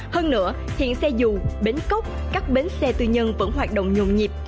hơn nữa hiện xe dù bến cốc các bến xe tư nhân vẫn hoạt động nhộn nhịp